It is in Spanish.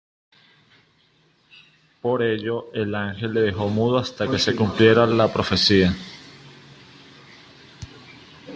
Por ello, el ángel le dejó mudo hasta que se cumpliera la profecía.